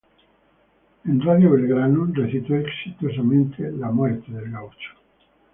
En Radio Belgrano recitó exitosamente "La muerte del gaucho".